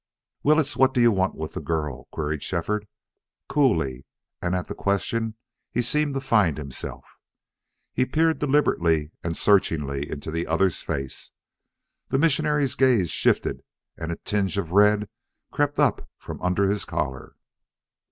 "Willetts, what do you want with the girl?" queried Shefford, coolly, and at the question he seemed to find himself. He peered deliberately and searchingly into the other's face. The missionary's gaze shifted and a tinge of red crept up from under his collar.